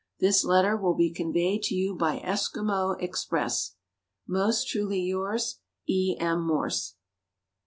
This letter will be conveyed to you by Esquimaux express. Most truly yours, E. M. Morse."